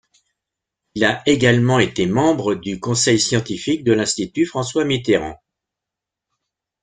Il a également été membre du conseil scientifique de l'Institut François-Mitterrand.